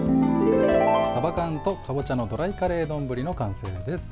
さば缶とかぼちゃのドライカレー丼の完成です。